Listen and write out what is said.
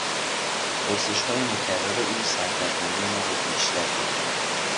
پرسشهای مکرر او سردرگمی مرا بیشتر کرد.